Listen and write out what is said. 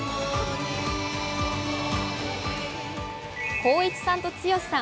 光一さんと剛さん